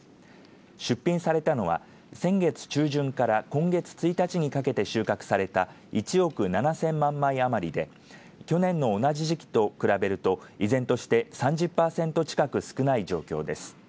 出品されたのは先月中旬から今月１日にかけて収穫された１億７０００万枚余りで去年の同じ時期と比べると依然として３０パーセント近く少ない状況です。